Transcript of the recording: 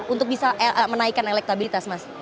untuk bisa menaikkan elektabilitas mas